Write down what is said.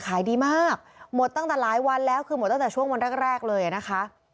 ขายดีมากหมดตั้งแต่หลายวันแล้วคือหมดตั้งแต่ช่วงวันแรกแรกเลยนะคะ